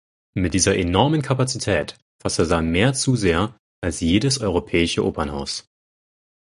Mit dieser enormen Kapazität fasst der Saal mehr Zuseher als jedes europäisches Opernhaus.